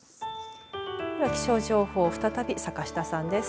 では気象情報再び坂下さんです。